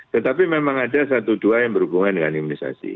tetapi memang ada satu dua yang berhubungan dengan imunisasi